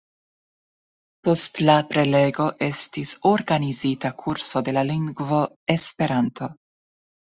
Post la prelego estis organizita kurso de la lingvo Esperanto.